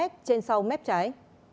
trên sau mép trái